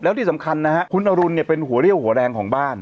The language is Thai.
แล้วที่สำคัญนะฮะคุณอรุณเนี่ยเป็นหัวเรี่ยวหัวแรงของบ้าน